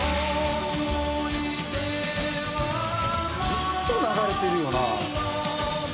ずっと流れてるよな。